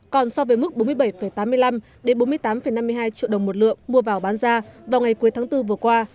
còn so với mức bốn mươi bảy tám mươi năm bốn mươi tám năm mươi hai triệu đồng một lượng mua vào bán ra vào ngày cuối tháng bốn vừa qua